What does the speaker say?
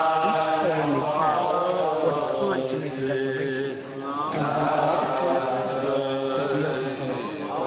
Each player may Pass, or decline to make a declaration; and when all the players pass, the deal is void.